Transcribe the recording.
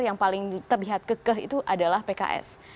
yang paling terlihat kekeh itu adalah pks